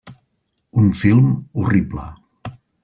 Un film horrible.